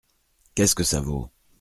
Qu’est-ce que ça vaut ?